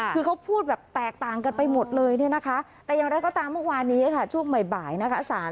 คือเขาพูดแบบแตกต่างกันไปหมดเลยนะคะ